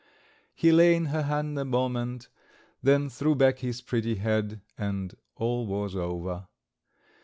He lay in her hand a moment, then threw back his pretty head and all was over.